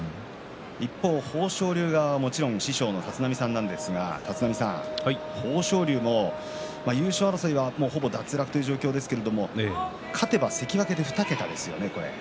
一方、豊昇龍側はもちろん師匠の立浪さんなんですが豊昇龍も優勝争いはほぼ脱落という状況ですけれども勝てば関脇で２桁ですよね。